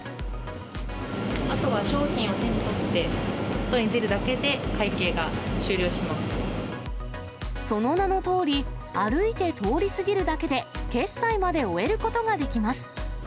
あとは商品を手に取って、その名のとおり、歩いて通り過ぎるだけで、決済まで終えることができます。